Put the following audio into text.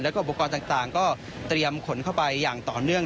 แล้วก็อุปกรณ์ต่างก็เตรียมขนเข้าไปอย่างต่อเนื่อง